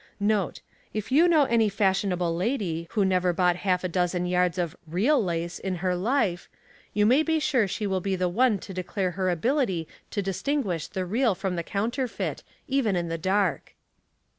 (N. B. — If you know any fashionable lady, who never bought half a dozen yards of " real " lace in her life, you may be sure she will be the one to declare her ability to distinguish the real from the counterfeit, even in the dark.)